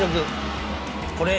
これ